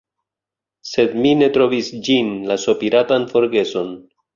Sed mi ne trovis ĝin, la sopiratan forgeson.